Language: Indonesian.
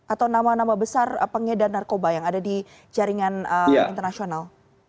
atau nama nama besar pengedar narkoba yang ada di jaringan internasional